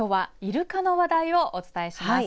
きょうはいるかの話題をお伝えします。